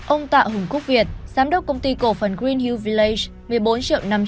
ông tạ hùng cúc việt giám đốc công ty cổ phần greenhill village